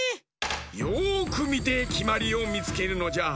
よくみてきまりをみつけるのじゃ。